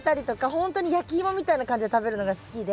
ほんとに焼きイモみたいな感じで食べるのが好きで。